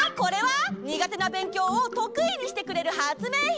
にがてなべんきょうをとくいにしてくれる発明品！